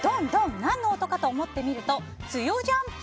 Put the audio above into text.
何の音かと思っ見るとつよジャンプ！？